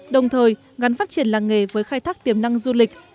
đồng thời gắn phát triển làng nghề với khai thác tiềm năng du lịch